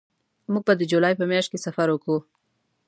موږ به د جولای په میاشت کې سفر وکړو